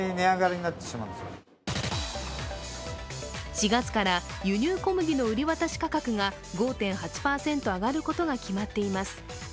４月から輸入小麦の売り渡し価格が５．８％上がることが決まっています。